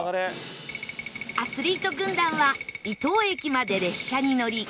アスリート軍団は伊東駅まで列車に乗り